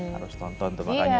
harus tonton tuh makanya